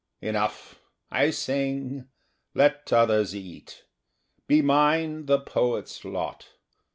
Enough! I sing; let others eat: Be mine the poet's lot.